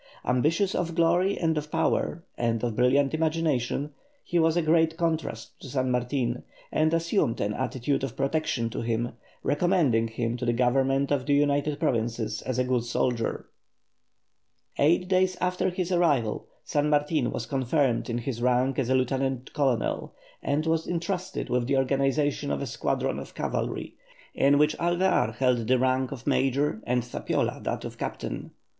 Ambitious of glory and of power, and of a brilliant imagination, he was a great contrast to San Martin, and assumed an attitude of protection to him, recommending him to the Government of the United Provinces as a good soldier. Eight days after his arrival San Martin was confirmed in his rank as a lieutenant colonel, and was entrusted with the organization of a squadron of cavalry, in which Alvear held the rank of major and Zapiola that of captain.